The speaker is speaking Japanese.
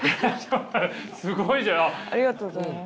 ありがとうございます。